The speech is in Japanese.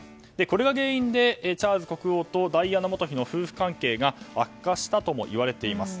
これが原因でチャールズ国王とダイアナ元妃の夫婦関係が悪化したともいわれています。